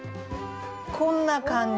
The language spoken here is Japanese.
こんな感じ。